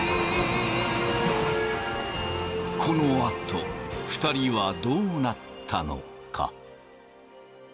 このあと２人はどうなったのか。